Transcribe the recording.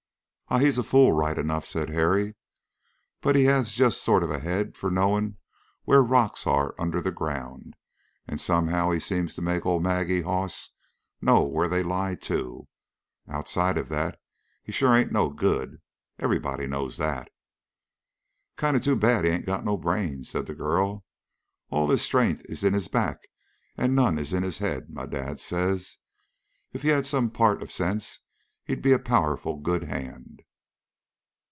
"Aw, he's a fool, right enough," said Harry, "but he just has a sort of head for knowing where the rocks are under the ground, and somehow he seems to make old Maggie hoss know where they lie, too. Outside of that he sure ain't no good. Everybody knows that." "Kind of too bad he ain't got no brains," said the girl. "All his strength is in his back, and none is in his head, my dad says. If he had some part of sense he'd be a powerful good hand."